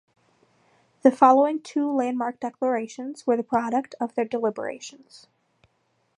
The following two landmark declarations were the product of their deliberations.